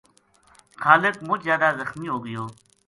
خالق مُچ زیادہ زخمی ہو گیو